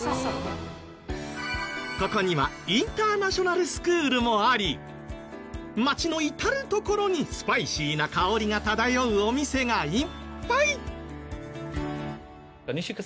ここにはインターナショナルスクールもあり街の至る所にスパイシーな香りが漂うお店がいっぱい！